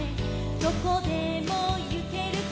どこでもゆけるさ」